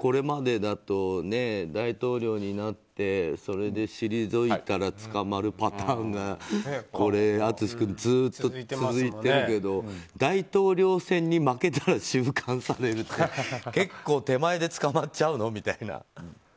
これまでだと大統領になって退いたら捕まるパターンが淳君、ずっと続いてるけど大統領選に負けたら収監されるって結構手前で捕まっちゃうの？みたいな。